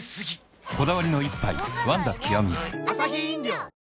こだわりの一杯「ワンダ極」